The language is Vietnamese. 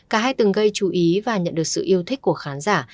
cả hai từng gây chú ý và nhận được sự yêu thích của khán giả